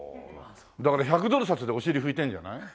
だから１００ドル札でお尻拭いてんじゃない？